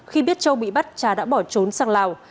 khi biết châu bị bắt trà đã bỏ trốn sang lào